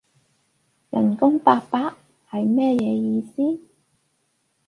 人工八百？係乜嘢意思？